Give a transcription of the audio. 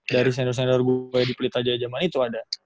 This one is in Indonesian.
dari senior senior gue di pelitajaya zaman itu ada